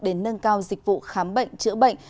để nâng cao dịch vụ khám bệnh chữa bệnh